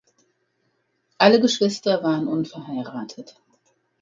Alle Geschwister waren unverheiratet.